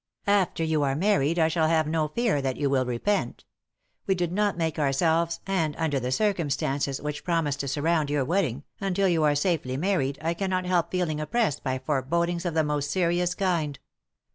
After you are married I shall have no fear that you will repent. We did not make ourselves, and, under the circumstances which promise to surround your wedding, until you are safely married I cannot help reeling oppressed by fore bodings of the most serious kind.